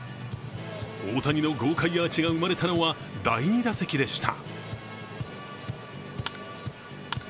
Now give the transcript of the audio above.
大谷の豪快アーチが生まれたのは第２打席でした。